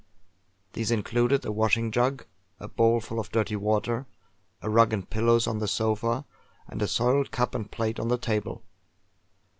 These included a washing jug, and a bowl full of dirty water; a rug and pillows on the sofa; and a soiled cup and plate on the table.